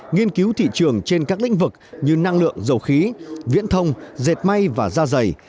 nghiên cứu thị trường trên các lĩnh vực như năng lượng dầu khí viễn thông dệt may và da dày